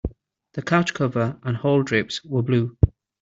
The couch cover and hall drapes were blue.